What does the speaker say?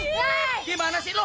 gimana sih lu